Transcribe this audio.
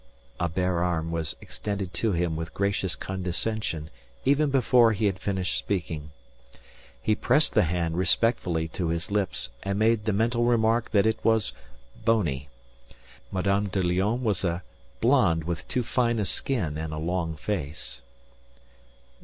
A bare arm was extended to him with gracious condescension even before he had finished speaking. He pressed the hand respectfully to his lips and made the mental remark that it was bony. Madame de Lionne was a blonde with too fine a skin and a long face.